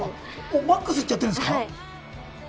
ＭＡＸいっちゃってるんですか？